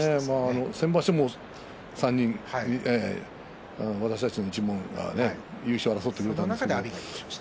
先場所も３人私たちの一門優勝を争ってくれました。